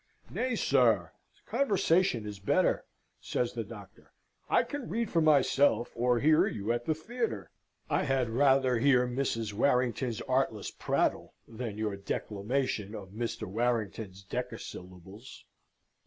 "Nay, sir, conversation is better," says the Doctor. "I can read for myself, or hear you at the theatre. I had rather hear Mrs. Warrington's artless prattle than your declamation of Mr. Warrington's decasyllables.